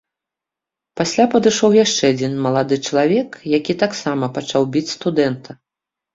Пасля падышоў яшчэ адзін малады чалавек, які таксама пачаў біць студэнта.